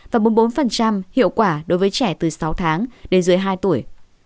và bốn mươi bốn hiệu quả đối với trẻ từ sáu tháng đến dưới hai tuổi